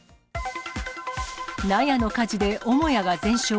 納屋の火事で母屋が全焼。